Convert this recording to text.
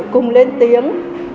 cùng lên tiếng